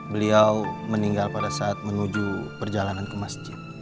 beliau meninggal pada saat menuju perjalanan ke masjid